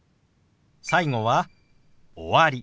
最後は「終わり」。